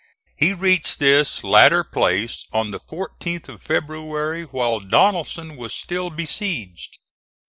He reached this latter place on the 14th of February, while Donelson was still besieged.